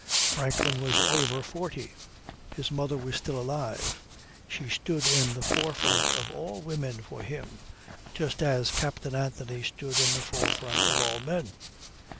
Franklin was over forty; his mother was still alive. She stood in the forefront of all women for him, just as Captain Anthony stood in the forefront of all men.